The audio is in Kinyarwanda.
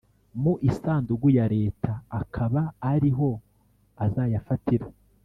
mu isanduku ya Leta akaba ari ho azayafatira